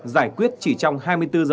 giải quyết chỉ trong hai mươi bốn h